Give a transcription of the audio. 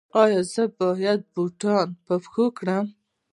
ایا زه باید بوټان په پښو کړم؟